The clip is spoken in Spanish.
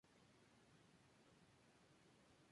Son de color parduzco y unas cazadoras nocturnas excelentes.